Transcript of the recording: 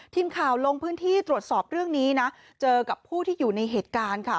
ทีมข่าวลงพื้นที่ตรวจสอบเรื่องนี้นะเจอกับผู้ที่อยู่ในเหตุการณ์ค่ะ